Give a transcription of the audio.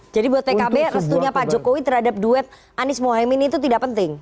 buat pkb restunya pak jokowi terhadap duet anies mohaimin itu tidak penting